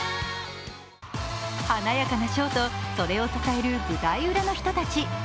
華やかなショーと、それを支える舞台裏の人たち。